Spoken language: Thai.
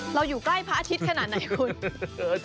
อยู่ใกล้พระอาทิตย์ขนาดไหนคุณ